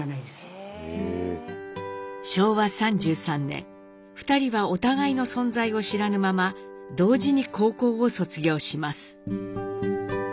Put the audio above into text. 昭和３３年２人はお互いの存在を知らぬまま同時に高校を卒業します。